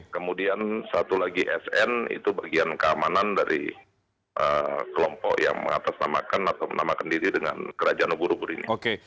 kemudian satu lagi sn itu bagian keamanan dari kelompok yang mengatasnamakan atau menamakan diri dengan kerajaan ubur ubur ini